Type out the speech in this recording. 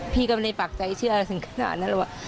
พี่ก็ไม่ได้ปากใจเชื่อถึงขนาดนั้นหรอกว่า